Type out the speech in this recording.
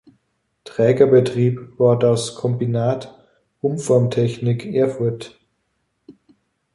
Trägerbetrieb war das Kombinat Umformtechnik Erfurt.